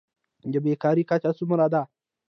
د بیکارۍ کچه څومره ده؟